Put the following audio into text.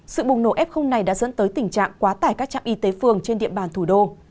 sự bùng nổ f này đã dẫn tới tình trạng quá tải các trạm y tế phường trên địa bàn thủ đô